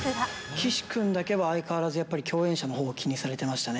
岸君だけは相変わらずやっぱり共演者のほうを気にされてましたね。